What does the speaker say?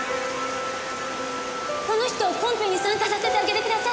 この人をコンペに参加させてあげてください！